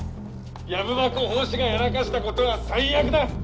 藪箱法師がやらかしたことは最悪だッ！